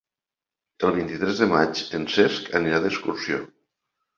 El vint-i-tres de maig en Cesc anirà d'excursió.